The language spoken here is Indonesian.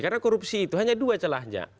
karena korupsi itu hanya dua celahnya